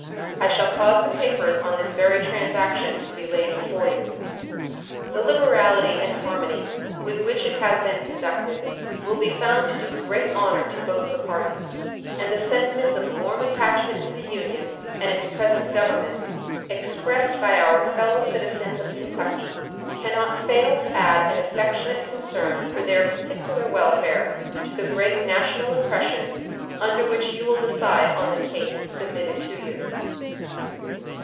I shall cause the papers on this very transaction to be laid before you. The liberality and harmony with which it has been conducted will be found to do great honor to both the parties, and the sentiments of warm attachment to the Union and its present Government expressed by our fellow citizens of Kentucky can not fail to add an affectionate concern for their particular welfare to the great national impressions under which you will decide on the case submitted to you.